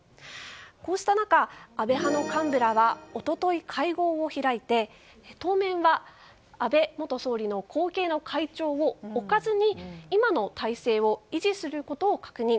こうした中、安倍派の幹部らは一昨日、会合を開いて当面は、安倍元総理の後継の会長を置かずに今の体制を維持することを確認。